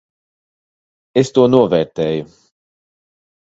Es to novērtēju.